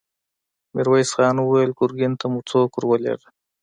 ميرويس خان وويل: ګرګين ته مو څوک ور ولېږه؟